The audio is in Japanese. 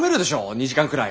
２時間くらい。